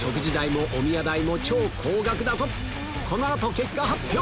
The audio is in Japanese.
この後結果発表！